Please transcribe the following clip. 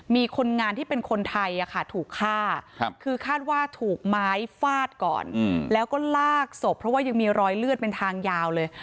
มีคนงานที่เป็นคนไทยถูกฆ่าคือคาดว่าถูกไม้ฟาดก่อนแล้วก็ลากศพเพราะว่ายังมีรอยเลือดเป็นทางยาวเลย